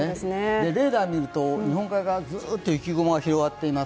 レーダー見ると日本海側、ずっと雪雲が広がっています。